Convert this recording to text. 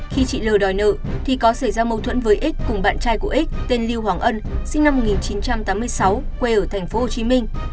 khi chị l đòi nợ thì có xảy ra mâu thuẫn với x cùng bạn trai của x tên lưu hoàng ân sinh năm một nghìn chín trăm tám mươi sáu quê ở thành phố hồ chí minh